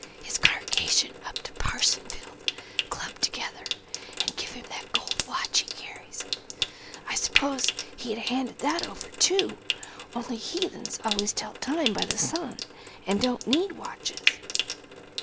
His congregation up to Parsonsfield clubbed together and give him that gold watch he carries; I s'pose he'd 'a' handed that over too, only heathens always tell time by the sun 'n' don't need watches.